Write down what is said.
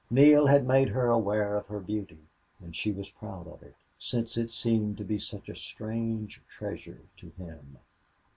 Neale had made her aware of her beauty, and she was proud of it, since it seemed to be such a strange treasure to him.